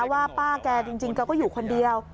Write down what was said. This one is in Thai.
ว่าป้าแกจริงแกก็อยู่คนเดียว